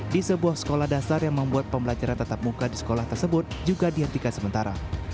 di sebuah sekolah dasar yang membuat pembelajaran tetap muka di sekolah tersebut juga dihentikan sementara